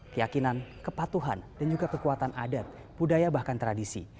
keyakinan kepatuhan dan juga kekuatan adat budaya bahkan tradisi